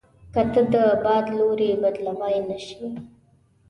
که ته د باد لوری بدلوای نه شې.